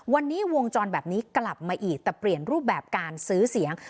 วันนี้วงจรแบบนี้กลับมาอีกแต่เปลี่ยนรูปแบบการซื้อเสียง